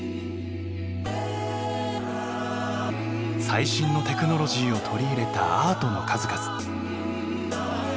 最新のテクノロジーを取り入れたアートの数々。